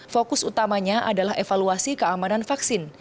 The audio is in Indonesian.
fokus utamanya adalah evaluasi keamanan vaksin